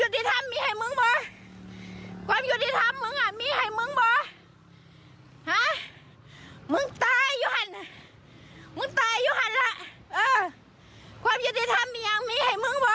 คุณทำยังไงค่ะ